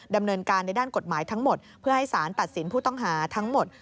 ดำเนินการในด้านกฎหมายทั้งหมดเพื่อให้สารตัดสินผู้ต้องหาทั้งหมด